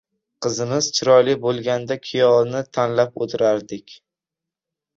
• Qizimiz chiroyli bo‘lganda kuyovni tanlab o‘tirardik.